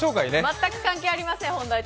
全く本題とは関係ありません。